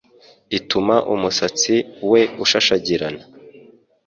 ituma umusatsi we ushashagirana